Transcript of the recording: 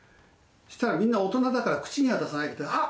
したらみんな大人だから、口には出さないけど、あっ！